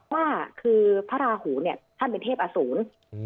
ว่าพระราหูท่านเป็นเทพอสูร